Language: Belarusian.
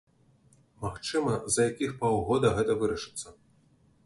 Магчыма, за якіх паўгода гэта вырашыцца.